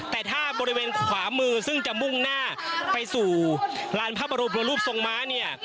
แต่ถ้าบริเวณขวามือซึ่งจะมุ่งหน้าไปสู่ลานพระบรมรูปทรงม้าเนี่ย